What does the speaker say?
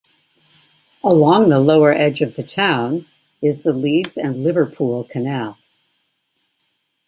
Along the lower edge of the town is the Leeds and Liverpool Canal.